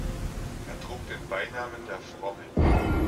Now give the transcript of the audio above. Er trug den Beinamen "der Fromme".